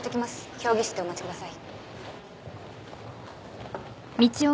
評議室でお待ちください。